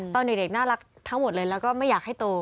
ตอนเด็กน่ารักทั้งหมดเลยแล้วก็ไม่อยากให้โต